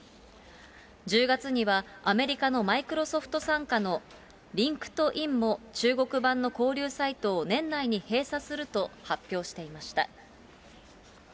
１０月にはアメリカのマイクロソフト傘下のリンクトインも中国版の交流サイトを年内に閉鎖すると発表していました。